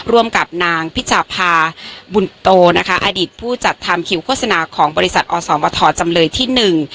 ร่วมกับนางพิจาภาบุญโตนะคะอดีตผู้จัดทำคิวโฆษณาของบริษัทอสมทจำเลยที่หนึ่ง